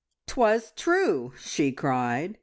"'Twas true!" she cried.